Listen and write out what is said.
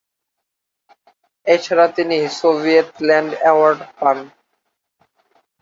এছাড়া তিনি "Soviet Land award" পান।